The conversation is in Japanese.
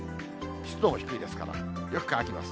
湿度も低いですから、よく乾きます。